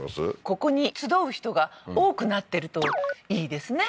ここに集う人が多くなってるといいですね